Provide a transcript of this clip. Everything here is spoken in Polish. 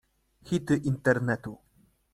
Hity internetu.